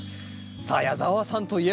さあ矢澤さんといえばですね